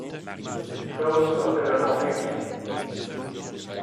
Klaus appelle alors Maggie.